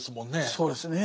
そうですね。